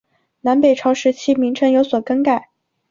南北朝时期名称有所更改。